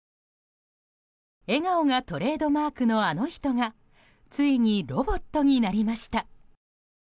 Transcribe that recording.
笑顔がトレードマークのあの人がついにロボットになりました。